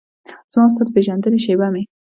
زما او ستا د پیژندنې شیبه مې